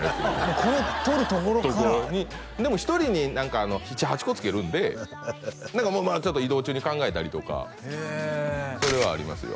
もうこの撮るところからでも１人に７８個付けるんでもうまあ移動中に考えたりとかへえそれはありますよ